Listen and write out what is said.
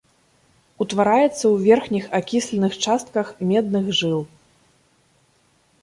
Утвараецца ў верхніх акісленых частках медных жыл.